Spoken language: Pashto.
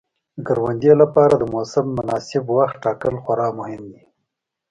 د کروندې لپاره د موسم مناسب وخت ټاکل خورا مهم دي.